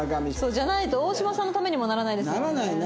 じゃないと大島さんのためにもならないですよね。